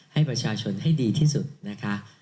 ให้ประชาชนให้ดีที่สุดนะคะ